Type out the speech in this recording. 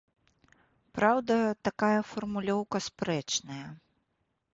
Праўда, такая фармулёўка спрэчная.